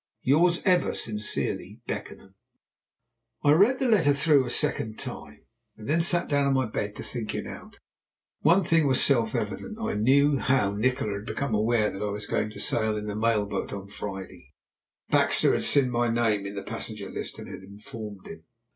"Yours ever sincerely, "BECKENHAM." I read the letter through a second time, and then sat down on my bed to think it out. One thing was self evident. I knew now how Nikola had become aware that I was going to sail in the mail boat on Friday; Baxter had seen my name in the passenger list, and had informed him.